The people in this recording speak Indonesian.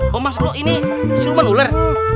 bumbang selu ini suruman ular